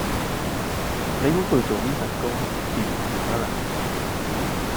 你估佢做呢份工掂唔掂吖嗱